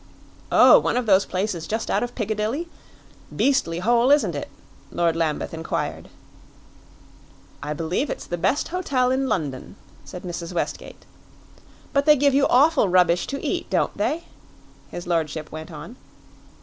"Oh, one of those places just out of Piccadilly? Beastly hole, isn't it?" Lord Lambeth inquired. "I believe it's the best hotel in London," said Mrs. Westgate. "But they give you awful rubbish to eat, don't they?" his lordship went on.